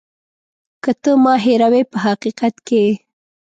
که ته ما هېروې په حقیقت کې.